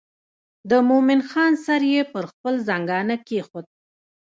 د مومن خان سر یې پر خپل زنګانه کېښود.